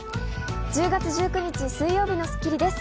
１０月１９日、水曜日の『スッキリ』です。